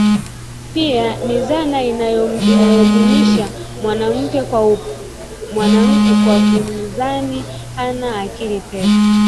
Pia ni dhana inayomdunisha mwanamke kwa kumdhania hana akili pevu